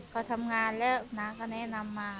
ก็ทำงานแล้วน้าก็แนะนำมา